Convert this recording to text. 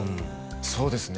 そうですね